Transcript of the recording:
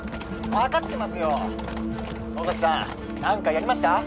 ☎分かってますよ☎野崎さん何かやりました？